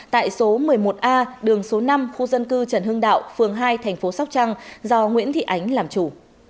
tại số một mươi một a đường số năm khu dân cư trần hưng đạo phường hai thành phố sóc trăng do nguyễn thị ánh làm chủ